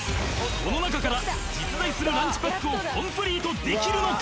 この中から実在するランチパックをコンプリートできるのか？